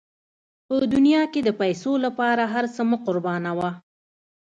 په دنیا کې د پیسو لپاره هر څه مه قربانوه.